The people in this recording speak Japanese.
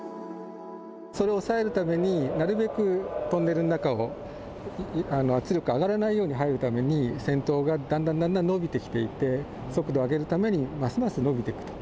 それを抑えるためになるべくトンネルの中を圧力が上がらないように入るために先頭がだんだんだんだん伸びてきていて速度を上げるためにますます伸びていくと。